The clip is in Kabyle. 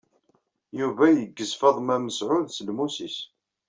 Yuba yeggez Faḍma Mesɛud s lmus-is.